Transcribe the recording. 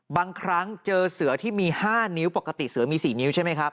บางครั้งเจอเสือที่มี๕นิ้วปกติเสือมี๔นิ้วใช่ไหมครับ